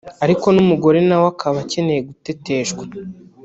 ariko n’umugore nawe akaba akeneye guteteshwa